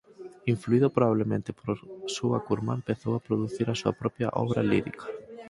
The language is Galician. Influído probablemente por súa curmá empezou a producir a súa propia obra lírica.